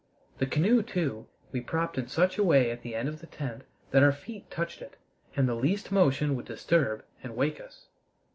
The canoe, too, we propped in such a way at the end of the tent that our feet touched it, and the least motion would disturb and wake us.